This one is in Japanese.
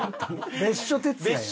別所哲也やん。